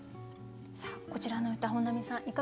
さあこちらの歌本並さん